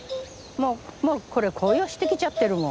もうこれ紅葉してきちゃってるもん。